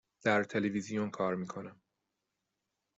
در تلویزیون کار می کنم.